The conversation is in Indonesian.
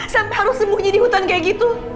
sampai harus sembunyi di hutan kayak gitu